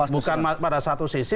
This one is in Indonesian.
bukan pada satu sisi